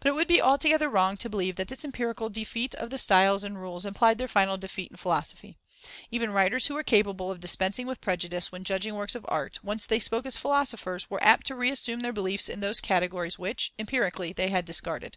But it would be altogether wrong to believe that this empirical defeat of the styles and rules implied their final defeat in philosophy. Even writers who were capable of dispensing with prejudice when judging works of art, once they spoke as philosophers, were apt to reassume their belief in those categories which, empirically, they had discarded.